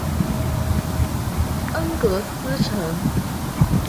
恩格斯城。